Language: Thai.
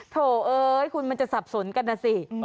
โถเอ๊ยมันจะสับสนกันอ่ะสิ